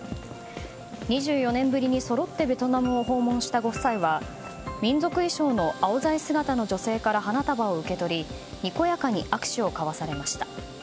２４年ぶりにそろってベトナムを訪問したご夫妻は民族衣装のアオザイ姿の女性から花束を受け取りにこやかに握手を交わされました。